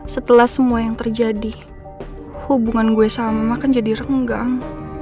setelah semua yang terjadi hubungan gue sama kan jadi renggang